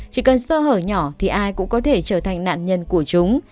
chỉ cần sơ hở nhỏ thì ai cũng có thể trở thành nạn nhân của chúng